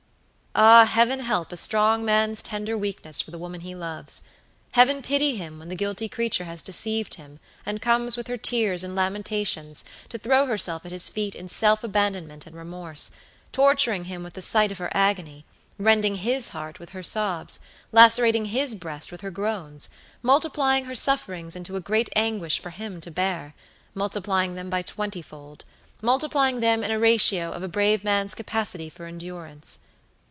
Ah, Heaven help a strong man's tender weakness for the woman he loves! Heaven pity him when the guilty creature has deceived him and comes with her tears and lamentations to throw herself at his feet in self abandonment and remorse; torturing him with the sight of her agony; rending his heart with her sobs, lacerating his breast with her groansmultiplying her sufferings into a great anguish for him to bear! multiplying them by twenty fold; multiplying them in a ratio of a brave man's capacity for endurance.